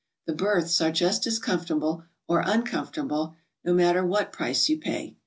The berths are just as comfort able, or uncomfortable, no matter what price you pay.